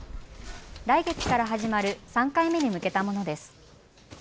来月から始まる３回目に向けたものです。